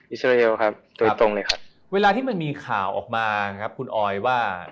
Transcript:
อิสราเอลครับโดยตรงเลยครับเวลาที่มันมีข่าวออกมาครับคุณออยว่า